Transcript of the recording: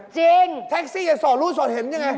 จริงแท็กซี่จะสอดรู้สอดเห็นใช่ไง